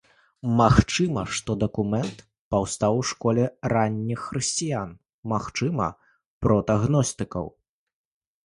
Магчыма, што дакумент паўстаў у школе ранніх хрысціян, магчыма ў прота-гностыкаў.